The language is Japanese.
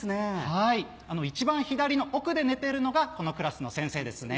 はいあの一番左の奥で寝てるのがこのクラスの先生ですね。